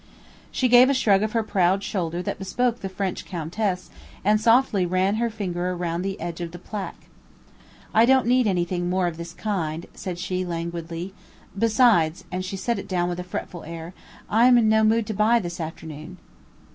She gave a shrug of her proud shoulder that bespoke the French Countess and softly ran her finger round the edge of the placque. "I don't need anything more of this kind," said she languidly; "besides," and she set it down with a fretful air, "I am in no mood to buy this afternoon."